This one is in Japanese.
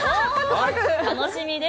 楽しみです。